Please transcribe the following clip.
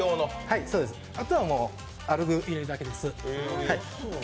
あとはあご入れるだけです。